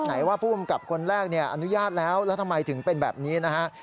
ไหนว่าผู้กำกับคนแรกเนี่ยอนุญาตแล้วแล้วทำไมถึงเป็นแบบนี้นะฮะ